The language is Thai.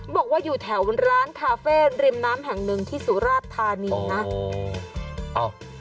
บอกว่าอยู่แถวร้านคาเฟ่ริมน้ำแห่งหนึ่งที่สุราชธานีนะ